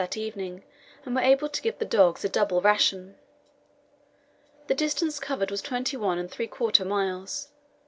that evening, and were able to give the dogs a double ration. The distance covered was twenty one and three quarter miles.